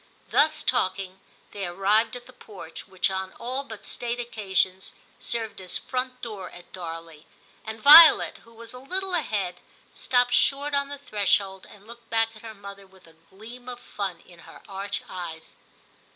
Thus talking they arrived at the porch, which on all but state occasions served as front door at Darley, and Violet, who was a little ahead, stopped short on the threshold, and looked back at her mother with a gleam of fun in her arch eyes.